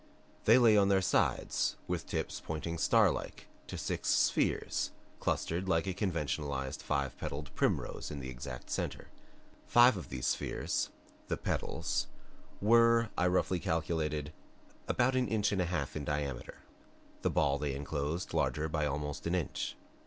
They lay on their sides with tips pointing starlike to six spheres clustered like a conventionalized five petaled primrose in the exact center. Five of these spheres the petals were, I roughly calculated, about an inch and a half in diameter, the ball they enclosed larger by almost an inch.